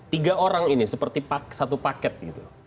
tiga orang ini seperti satu paket gitu